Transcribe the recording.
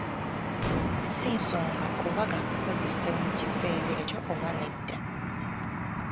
Ssi nsonga oba gaakukozesebwa mu kiseera ekyo oba nedda.